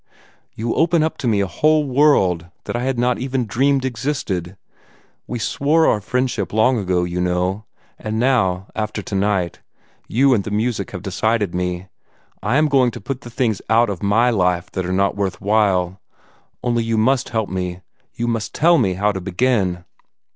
You open up to me a whole world that I had not even dreamed existed. We swore our friendship long ago, you know: and now, after tonight you and the music have decided me. I am going to put the things out of MY life that are not worthwhile. Only you must help me; you must tell me how to begin."